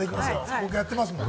僕やってますもん。